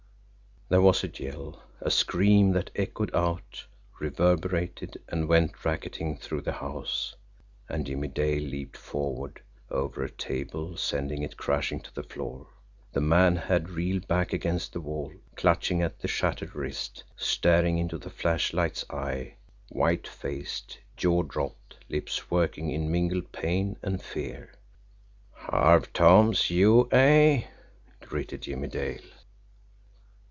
There was a yell, a scream, that echoed out, reverberated, and went racketing through the house, and Jimmie Dale leaped forward over a table, sending it crashing to the floor. The man had reeled back against the wall, clutching at a shattered wrist, staring into the flashlight's eye, white faced, jaw dropped, lips working in mingled pain and fear. "Harve Thoms you, eh?" gritted Jimmie Dale.